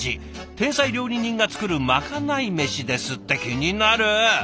「天才料理人が作るまかないメシです」って気になる。